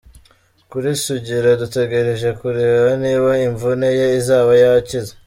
Kuri Sugira dutegereje kureba niba imvune ye izaba yakize.